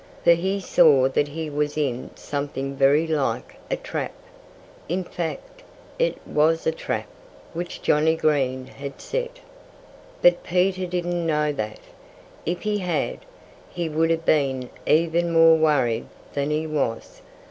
For he saw that he was in something very like a trap. In fact, it was a trap, which Johnnie Green had set. But Peter didn't know that. If he had, he would have been even more worried than he was.